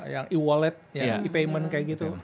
yang e wallet yang e payment kayak gitu